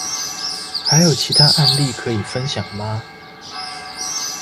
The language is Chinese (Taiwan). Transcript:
還有其他案例可以分享嗎？